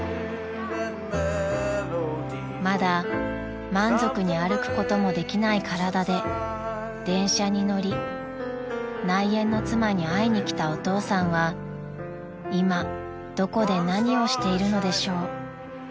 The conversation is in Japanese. ［まだ満足に歩くこともできない体で電車に乗り内縁の妻に会いに来たお父さんは今どこで何をしているのでしょう？］